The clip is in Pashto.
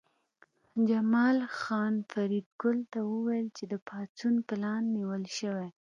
جمال خان فریدګل ته وویل چې د پاڅون پلان نیول شوی